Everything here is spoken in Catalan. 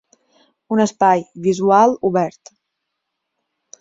Un espai visual obert.